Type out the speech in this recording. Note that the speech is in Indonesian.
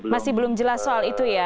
masih belum jelas soal itu ya